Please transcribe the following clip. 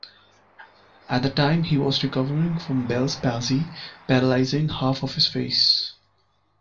At the time he was recovering from bell's palsy, paralysing half of his face.